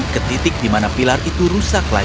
ketitik di mana pilar itu rusak lagi